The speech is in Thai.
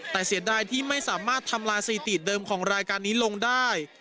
แต่เสียดายที่ไม่สามารถทำลายสถิติเดิมของรายการนี้ลงได้